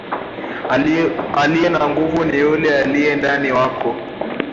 Aliye na nguvu ni yule aliyendani yako.